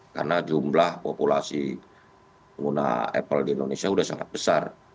karena jumlah populasi pengguna apple di indonesia sudah sangat besar